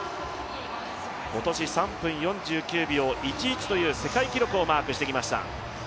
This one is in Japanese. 今年３分４９秒１１という世界記録をマークしてきました。